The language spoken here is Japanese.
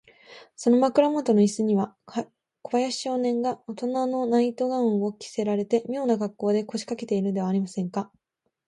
その枕もとのイスには、小林少年がおとなのナイト・ガウンを着せられて、みょうなかっこうで、こしかけているではありませんか。